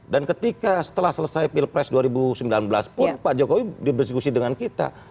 dan ketika setelah selesai pilpres dua ribu sembilan belas pun pak jokowi berdiskusi dengan kita